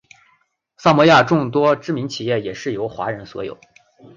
萨摩亚众多知名企业也是由华人所有。